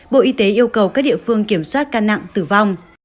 bộ y tế yêu cầu các địa phương kiểm soát ca nặng tử vong